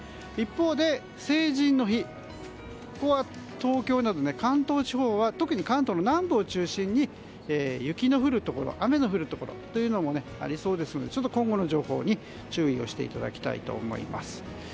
一方で、成人の日は東京など関東地方は特に関東の南部を中心に雪の降るところ雨の降るところというのもありそうですので今後の情報に注意をしていただきたいと思います。